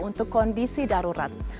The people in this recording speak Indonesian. untuk kondisi darurat